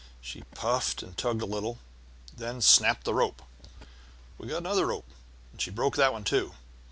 She puffed and tugged a little, and then snapped the rope. We got another rope, and she broke that too.